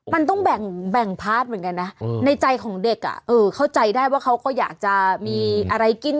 มันต้องแบ่งพาร์ทเหมือนกันนะในใจของเด็กเข้าใจได้ว่าเขาก็อยากจะมีอะไรกิน